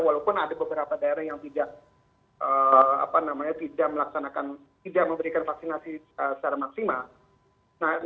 walaupun ada beberapa daerah yang tidak melaksanakan tidak memberikan vaksinasi secara maksimal